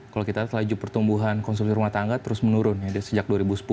kalau kita lihat laju pertumbuhan konsumsi rumah tangga terus menurun sejak dua ribu sepuluh